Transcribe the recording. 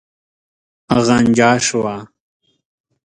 غنجا شوه.